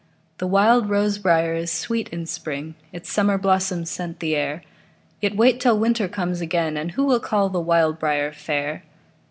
The wild rose briar is sweet in spring, Its summer blossoms scent the air; Yet wait till winter comes again, And who will call the wild briar fair?